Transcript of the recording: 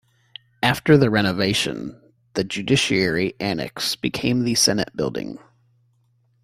After the renovation, the Judiciary Annex became the Senate Building.